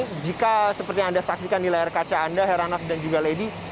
jadi jika seperti yang anda saksikan di layar kaca anda heranat dan juga lady